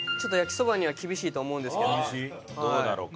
どうだろうか？